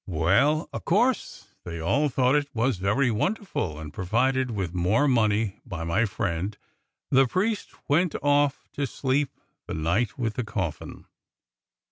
' "Well, o' course they all thought it very wonderful, and, provided with more money by my friend, the priest went off to sleep the night with the cofiin.